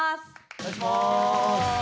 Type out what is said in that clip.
お願いします。